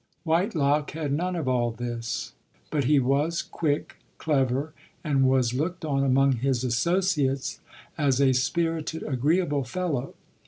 Whitelock had none of all this; but he was quick, clever, and was looked on among his associates as a spirited, agreeable fellow.